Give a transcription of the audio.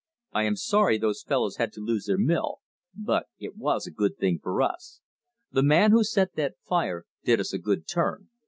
I am sorry those fellows had to lose their mill, but it was a good thing for us. The man who set that fire did us a good turn.